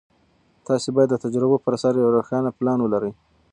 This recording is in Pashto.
تاسې باید د تجربو پر اساس یو روښانه پلان ولرئ.